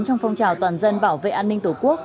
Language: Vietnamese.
trong phong trào toàn dân bảo vệ an ninh tổ quốc